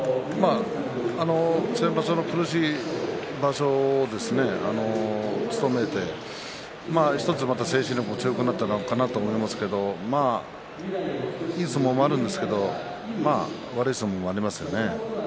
先場所の苦しい場所を務めて１つまた精神力も強くなったのかなと思いますけれどいい相撲もあるんですけれど悪い相撲もありますね。